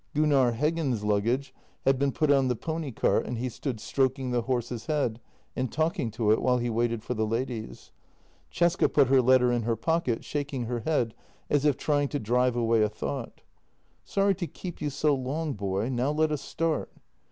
Gunnar Heggen's luggage had been put on the pony cart, and he stood stroking the horse's head and talking to it while he waited for the ladies. Cesca put her letter in her pocket, shaking her head as if trying to drive away a thought. " Sorry to keep you so long, boy — now let us start."